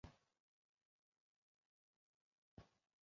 আমি এই ফাঁকে আমার কাজটা শেষ করি।